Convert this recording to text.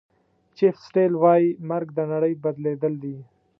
چیف سیټل وایي مرګ د نړۍ بدلېدل دي.